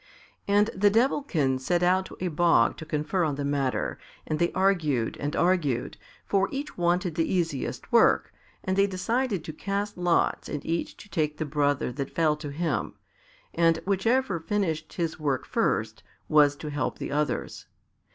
And the Devilkins set out to a bog to confer on the matter, and they argued and argued, for each wanted the easiest work, and they decided to cast lots and each to take the brother that fell to him, and whichever finished his work first was to help the others.